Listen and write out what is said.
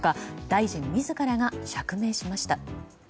大臣自らが釈明しました。